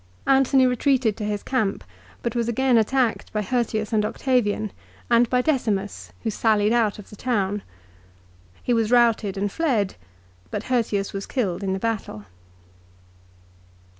Antony re treated to his camp, but was again attacked by Hirtius and Octavian, and by Decimus who sallied out of the town. He was routed and fled, but Hirtius was killed in the battle.